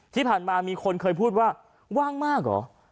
ที่ผ่านมามีคนเคยพูดว่าว่างมากเหรอ